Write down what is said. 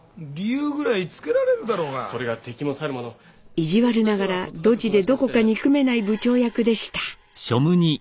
意地悪ながらドジでどこか憎めない部長役でした。